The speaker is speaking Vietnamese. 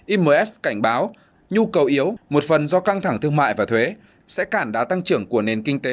imf cảnh báo nhu cầu yếu một phần do căng thẳng thương mại và thuế sẽ cản đá tăng trưởng của nền kinh tế